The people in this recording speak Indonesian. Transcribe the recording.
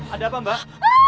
ada apa mbak